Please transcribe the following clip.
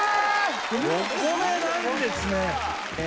お米なんですね。